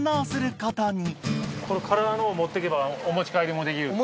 これ空のを持っていけばお持ち帰りもできるって。